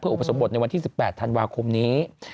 เพื่ออุปสรบบทในวันที่๑๘ธันวาคมนี้